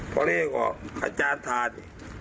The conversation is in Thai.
พอเรียกว่าขาจานทาน